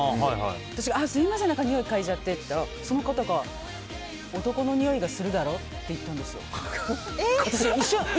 私がすみませんにおいかいじゃってって言ったらその方が男のにおいがするだろって言ったんですよ。